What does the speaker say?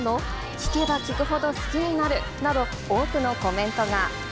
聴けば聴くほど好きになるなど、多くのコメントが。